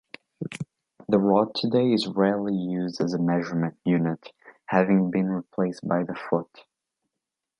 The “rod” today is rarely used as a measurement unit, having been replaced by the “foot”.